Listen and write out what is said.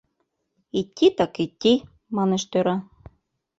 — Идти так идти, — манеш тӧра.